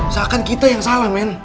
seakan kita yang salah men